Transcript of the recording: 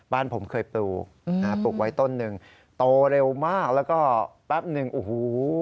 บ้านผมเคยปลูกปลูกไว้ต้นหนึ่งโตเร็วมากแล้วก็แป๊บหนึ่งโอ้โห